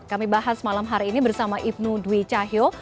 kami bahas malam hari ini bersama ibnu dwi cahyo